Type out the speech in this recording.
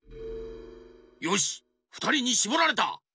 よしふたりにしぼられた！